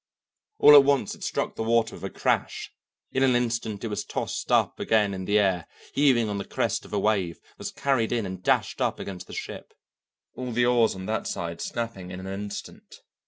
All at once it struck the water with a crash, in an instant it was tossed up again in the air, heaving on the crest of a wave, was carried in and dashed up against the ship, all the oars on that side snapping in an instant.